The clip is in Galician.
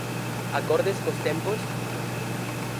Acordes cos tempos?